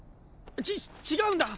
ち違うんだ！